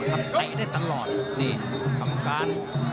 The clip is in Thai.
ทำเต๊ะได้ตลอดนี่คำการ